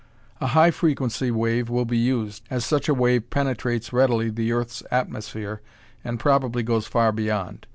A high frequency wave will be used, as such a wave penetrates readily the earth's atmosphere and probably goes far beyond.